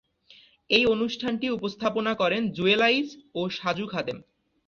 এই অনুষ্ঠানটি উপস্থাপনা করেন জুয়েল আইচ ও সাজু খাদেম।